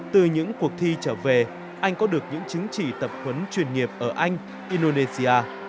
từ những cuộc thi trở về anh có được những chứng chỉ tập huấn chuyên nghiệp ở anh indonesia